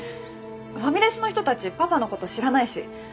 ファミレスの人たちパパのこと知らないし。